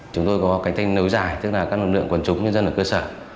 chúng tôi có cánh tay nấu dài tức là các nguồn lượng quần chúng nhân dân ở cơ sở